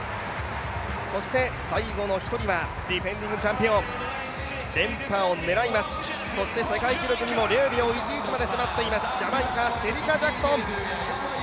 そして最後の１人はディフェンディングチャンピオン、連覇を狙います、そして世界記録にも０秒１１まで迫っています、ジャマイカ、シェリカ・ジャクソン。